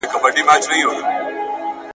مینه لرم